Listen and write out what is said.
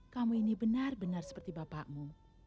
kamu ini benar benar seperti bapakmu